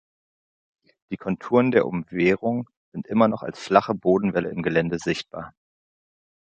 Die Konturen der Umwehrung sind immer noch als flache Bodenwellen im Gelände sichtbar.